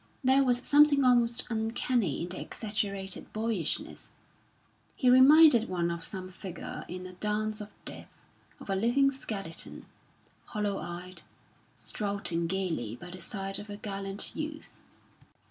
There was something almost uncanny in the exaggerated boyishness; he reminded one of some figure in a dance of death, of a living skeleton, hollow eyed, strutting gaily by the side of a gallant youth.